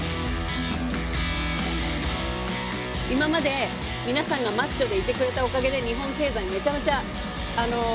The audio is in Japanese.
今まで皆さんがマッチョでいてくれたおかげで日本経済めちゃめちゃ動きました。